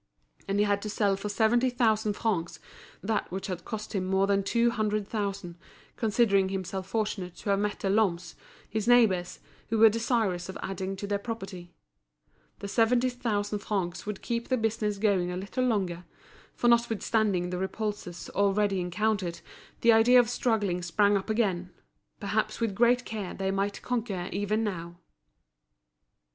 And he had to sell for seventy thousand francs that which had cost him more than two hundred thousand, considering himself fortunate to have met the Lhommes, his neighbours, who were desirous of adding to their property. The seventy thousand francs would keep the business going a little longer; for notwithstanding the repulses already encountered, the idea of struggling sprang up again; perhaps with great care they might conquer even now.